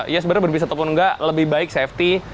ya sebenarnya berbis ataupun enggak lebih baik safety